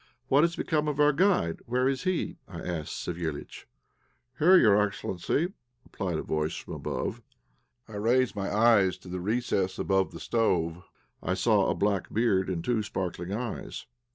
"What has become of our guide? Where is he?" I asked Savéliitch. "Here, your excellency," replied a voice from above. I raised my eyes to the recess above the stove, and I saw a black beard and two sparkling eyes.